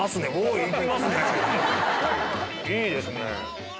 いいですね。